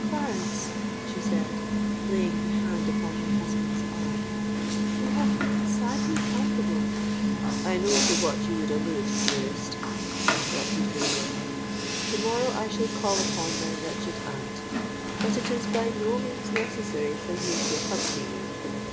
"Clarence," she said, laying her hand upon her husband's arm, "we have been sadly culpable——" "I know to what you would allude, dearest," interrupted Villiers. "To morrow I shall call upon my wretched aunt; but it is by no means necessary for you to accompany me.